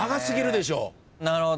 なるほど。